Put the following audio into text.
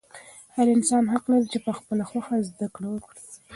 هر انسان حق لري چې په خپله خوښه زده کړه وکړي.